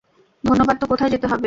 ধন্যবাদ তো কোথায় যেতে হবে?